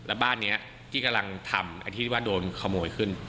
แล้วบ้านนี้ที่กำลังทำไอ้ที่ว่าโดนขโมยขึ้น